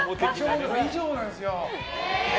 以上なんですよ。